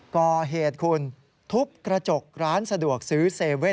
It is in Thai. ก่อเหตุคุณทุบกระจกร้านสะดวกซื้อ๗๑๑